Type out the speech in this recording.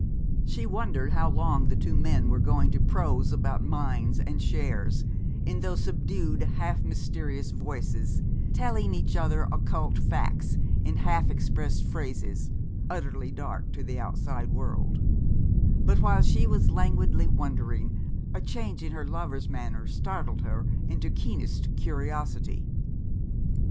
She wondered how long the two men were going to prose about mines and shares, in those subdued half mysterious voices, telling each other occult facts in half expressed phrases, utterly dark to the outside world; but, while she was languidly wondering, a change in her lover's manner startled her into keenest curiosity.